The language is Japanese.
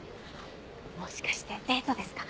もしかしてデートですか？